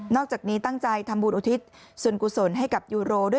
นอกจากนี้ตั้งใจทำบูรณ์อุทิศบุษย์สวนกุศลให้กับยูโร